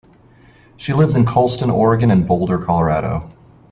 She lives in Colestin, Oregon and Boulder, Colorado.